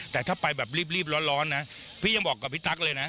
แต่ถ้าไปแบบรีบร้อนนะพี่ยังบอกกับพี่ตั๊กเลยนะ